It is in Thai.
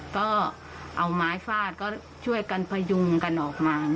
ก็เอาไม้ฟาดก็ช่วยกันพยุงกันออกมา